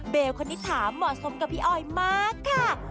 เบลคนนี้ถามเหมาะสมกับพี่ออยมากค่ะ